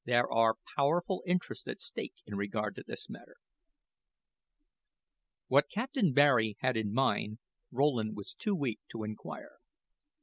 There are powerful interests at stake in regard to this matter." What Captain Barry had in mind, Rowland was too weak to inquire.